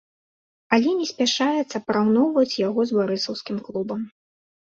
Але не спяшаецца параўноўваць яго з барысаўскім клубам.